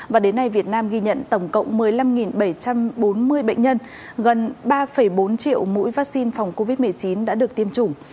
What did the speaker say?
và đến nay việt nam ghi nhận tổng cộng một mươi năm bảy trăm bốn mươi bệnh nhân gần ba bốn triệu mũi vaccine phòng covid một mươi chín đã được tiêm chủng